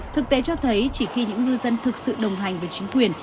thực tế cho thấy chỉ khi những ngư dân thực sự đồng hành với chính quyền